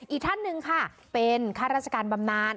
อีกท่านหนึ่งค่ะเป็นข้าราชการบำนาน